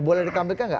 boleh ditampilkan nggak